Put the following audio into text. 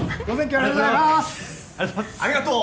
ありがとうございます！